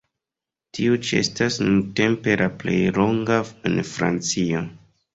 Tiu ĉi estas nuntempe la plej longa en Francio.